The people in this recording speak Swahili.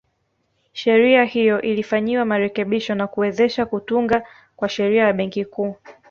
Sheria hiyo ilifanyiwa marekebisho na kuwezesha kutungwa kwa Sheria ya Benki Kuu